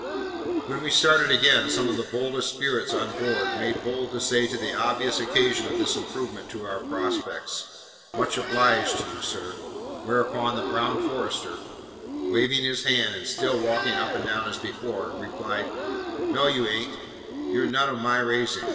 When we started again, some of the boldest spirits on board, made bold to say to the obvious occasion of this improvement in our prospects, 'Much obliged to you, sir;' whereunto the brown forester (waving his hand, and still walking up and down as before), replied, 'No you an't. You're none o' my raising.